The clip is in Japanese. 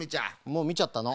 もうみちゃったの。